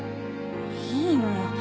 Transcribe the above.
いいのよ。